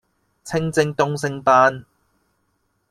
清蒸東星斑